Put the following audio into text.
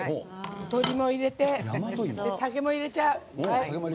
鶏も入れて、酒も入れちゃう。